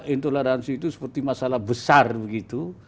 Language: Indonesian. intoleransi itu seperti masalah besar begitu